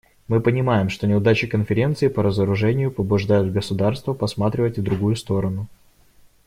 Мы понимаем, что неудачи Конференции по разоружению побуждают государства посматривать в другую сторону.